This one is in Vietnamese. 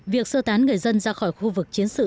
việc sơ tán người dân ra khỏi khu vực chiến sự